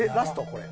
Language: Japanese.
これ。